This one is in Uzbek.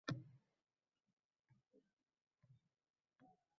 San’atkorning o‘zigina o‘ziga hakam bo‘la olishi mumkin.